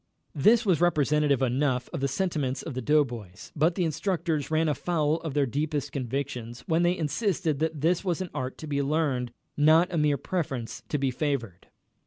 This was representative enough of the sentiments of the doughboys, but the instructors ran afoul of their deepest convictions when they insisted that this was an art to be learned, not a mere preference to be favored.